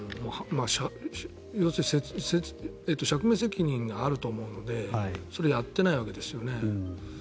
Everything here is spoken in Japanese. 要するに釈明責任があると思うのでそれをやっていないわけですよね。